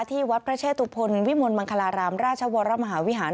ที่วัดพระเชตุพลวิมลมังคลารามราชวรมหาวิหาร